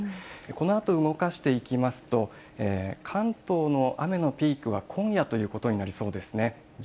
このあと動かしていきますと、関東の雨のピークは今夜ということになりそうですね。